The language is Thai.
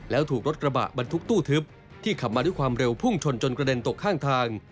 แล้วถูกรถกระบะบรรทุกตู้ทึบที่ขับมาด้วยความเร็วพุ่งชนจนกระเด็นตกข้างทาง